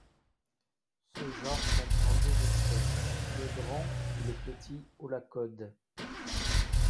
Ce genre comprend deux espèces, le grand et le petit aulacode.